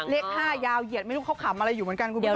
เลข๕ยาวเหยียดไม่รู้เขาขำอะไรอยู่เหมือนกันคุณผู้ชม